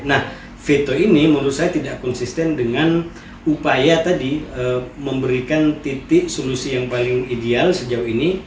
nah veto ini menurut saya tidak konsisten dengan upaya tadi memberikan titik solusi yang paling ideal sejauh ini